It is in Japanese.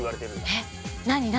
えっ何何？